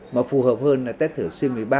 mà phù hợp hơn là test thở suy một mươi ba